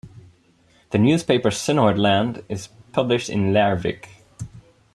The newspaper "Sunnhordland" is published in Leirvik.